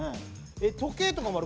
時計とかもある。